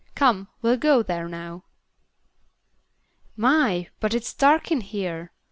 Come, we'll go there now." "My, but it's dark in here!"